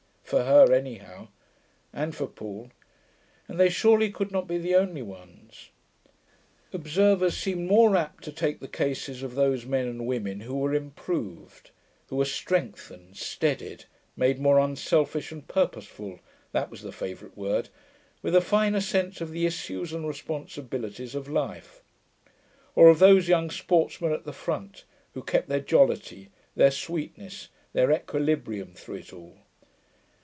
For her, anyhow, and for Paul; and they surely could not be the only ones. Observers seemed more apt to take the cases of those men and women who were improved; who were strengthened, steadied, made more unselfish and purposeful (that was the favourite word), with a finer sense of the issues and responsibilities of life; or of those young sportsmen at the front who kept their jollity, their sweetness, their equilibrium, through it all.